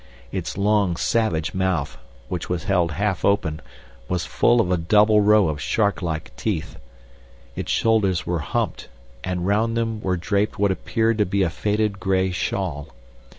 Its long, savage mouth, which was held half open, was full of a double row of shark like teeth. Its shoulders were humped, and round them were draped what appeared to be a faded gray shawl.